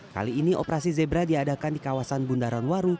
kali ini operasi zebra diadakan di kawasan bundaran waru